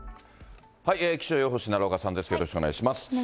気象予報士、奈良岡さんです、よろしくお願いします。